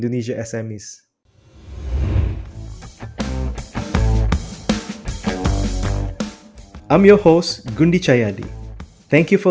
terima kasih telah mengundang saya gundy